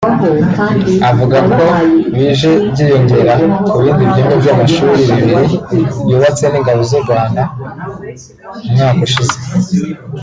Avuga ko bije byiyongera ku bindi byumba by’amashuri bibiri byubatse n’ingabo z’u Rwanda umwaka ushize